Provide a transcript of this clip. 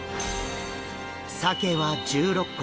サケは１６個。